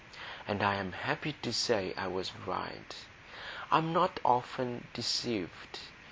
And I'm happy to say I was right; I'm not often deceived.